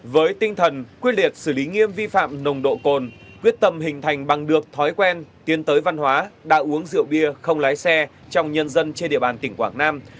với tinh thần quyết liệt xử lý nghiêm vi phạm nồng độ cồn quyết tâm hình thành bằng được thói quen tiến tới văn hóa đã uống rượu bia không lái xe trong nhân dân trên địa bàn tỉnh quảng nam